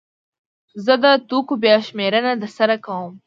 زه د توکو بیا شمېرنه ترسره کوم.